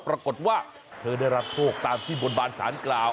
ปรากฏว่าเธอได้รับโชคตามที่บนบานสารกล่าว